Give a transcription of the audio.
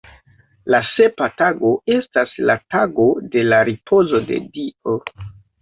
La sepa tago estas la tago de la ripozo de Dio.